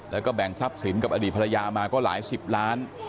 แล้วก็แบ่งทรัพย์สินกับอดีตภรรยามาก็หลายสิบล้าน